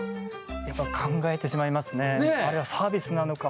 やっぱ考えてしまいますね。